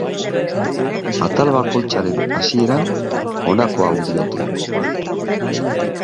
Atal bakoitzaren hasieran honako hau diote.